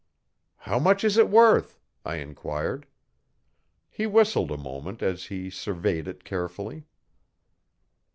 'How much is it worth?' I enquired. He whistled a moment as he surveyed it carefully.